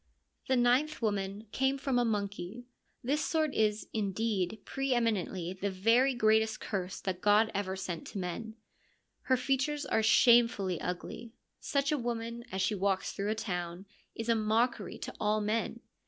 The ninth woman came from a monkey : this sort is, indeed, pre eminently the very greatest curse that God ever sent to men. Her features are shamefully ugly ; such a woman, as she walks through a town, is a mockery to all men.